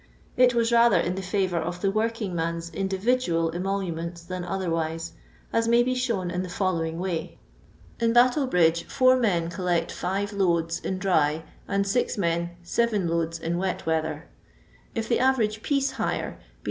It was rather in the favour of the working man's individual emoluments than otherwise, as may be shown in the following way. In Battle bridge, four men eoHeet five loads in dry, and six men seven loads in wet weather. If the average piece hire be 2«.